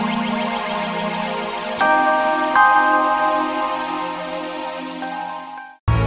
kamu meninggal kitab usaka patra itu